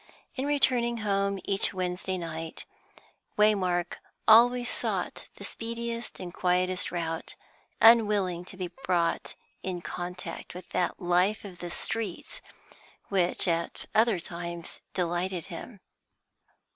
In returning home each Wednesday night, Waymark always sought the speediest and quietest route, unwilling to be brought in contact with that life of the streets which at other times delighted him.